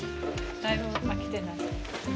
だいぶ開けてない。